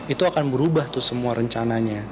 itu akan berubah tuh semua rencananya